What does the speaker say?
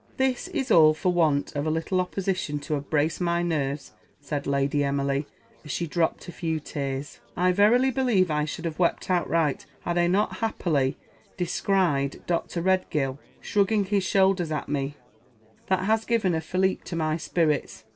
"This is all for want of a little opposition to have braced my nerves," said Lady Emily, as she dropped a few tears. "I verily believe I should have wept outright had I not happily descried Dr. Redgill shrugging his shoulders at me; that has given a filip to my spirits.